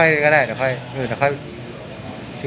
เดี๋ยวค่อยก็ได้